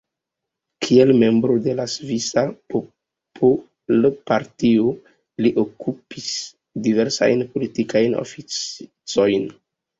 Kiel membro de la Svisa Popolpartio li okupis diversajn politikajn oficojn.